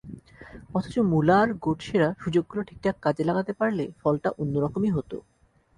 অথচ মুলার, গোটশেরা সুযোগগুলো ঠিকঠাক কাজে লাগাতে পারলে ফলটা অন্য রকমই হতো।